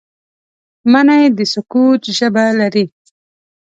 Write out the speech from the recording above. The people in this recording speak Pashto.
مني د سکوت ژبه لري